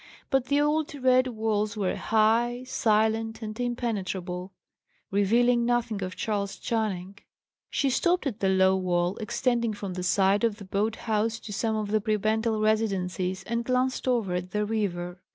But the old red walls were high, silent, and impenetrable; revealing nothing of Charles Channing. She stopped at the low wall, extending from the side of the boat house to some of the prebendal residences, and glanced over at the river.